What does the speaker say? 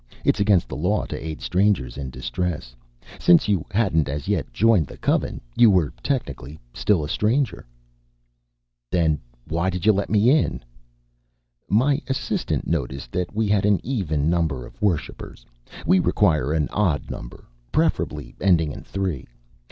"It's against the law to aid strangers in distress. Since you hadn't as yet joined the Coven, you were technically still a stranger." "Then why did you let me in?" "My assistant noticed that we had an even number of worshipers. We require an odd number, preferably ending in three.